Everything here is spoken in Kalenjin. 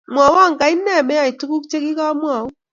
mwowon kaine meyay tuguk chigikamwaun